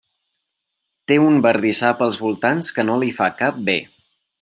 Té un bardissar pels voltants que no li fa cap bé.